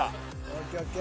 ＯＫＯＫ。